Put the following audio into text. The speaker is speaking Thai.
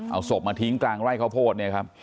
เอาสบมาทิ้งกลางไล่ข้าวโพด